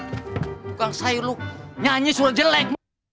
tukang sayur lo nyanyi surat jelek